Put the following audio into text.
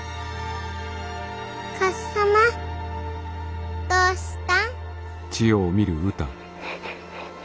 かっさまどうしたん？